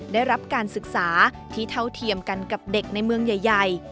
ได้รับการศึกษาที่เท่าเทียมกันกับเด็กในเมืองใหญ่